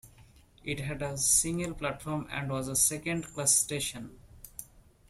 It had a single platform and was a second-class station.